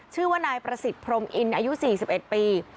ชื่อว่านายประสิทธิ์พรมอินอายุ๔๑ปี